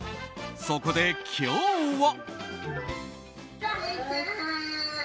そこで、今日は。